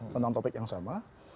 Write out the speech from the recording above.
tentang topik yang sama